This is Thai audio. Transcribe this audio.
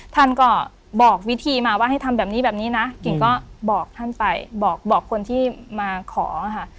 ท่านก็บอกวิธีมาว่าให้ทำแบบนี้แบบนี้นะกิ่งก็บอกท่านไปบอกคนที่มาขอค่ะ